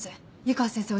湯川先生